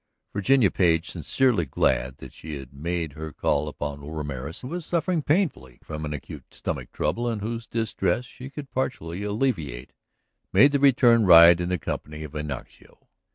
Virginia Page, sincerely glad that she had made her call upon old Ramorez who was suffering painfully from acute stomach trouble and whose distress she could partially alleviate, made the return ride in the company of Ignacio.